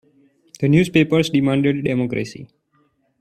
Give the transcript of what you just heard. The newspapers demanded democracy.